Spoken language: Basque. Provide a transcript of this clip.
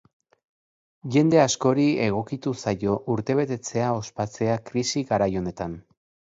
Jende askori egokitu zaio urtebetetzea ospatzea krisi garai honetan.